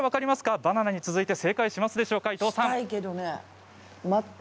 バナナに続いて正解しますでしょうか。